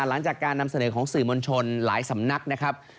หลังจากการนำเสนอของสื่อมวลชนหลายสำนักนะครับ